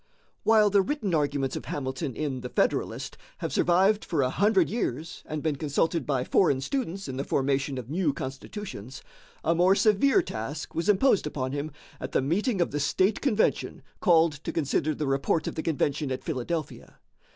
While the written arguments of Hamilton in "The Federalist" have survived for a hundred years and been consulted by foreign students in the formation of new constitutions, a more severe task was imposed upon him at the meeting of the state convention called to consider the report of the convention at Philadelphia.